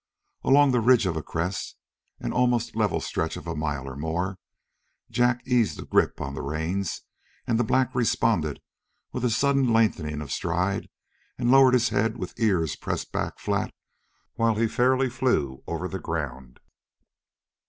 Along the ridge of a crest, an almost level stretch of a mile or more, Jack eased the grip on the reins, and the black responded with a sudden lengthening of stride and lowered his head with ears pressed back flat while he fairly flew over the ground.